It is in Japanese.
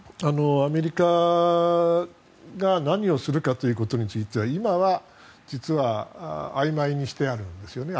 アメリカが何をするかということについては今は実は曖昧にしてあるんですよね。